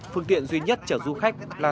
phương tiện duy nhất chở du khách là